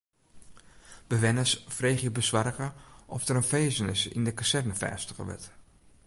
Bewenners freegje besoarge oft der in finzenis yn de kazerne fêstige wurdt.